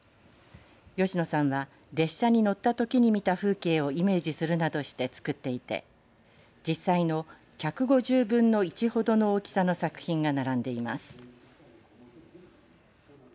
吉野さんは列車に乗ったときに見た風景をイメージするなどしてつくっていて実際の１５０分の１ほどの大きさの作品が並んでいます。